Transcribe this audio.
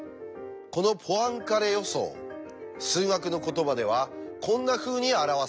このポアンカレ予想数学の言葉ではこんなふうに表されます。